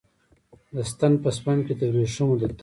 د ستن په سپم کې د وریښمو د تار